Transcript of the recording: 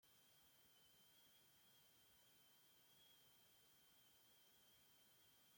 Los engranajes cilíndricos rectos son el tipo de engranaje más simple que existe.